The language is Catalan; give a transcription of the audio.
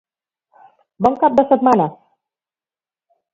Bon cap de setmana!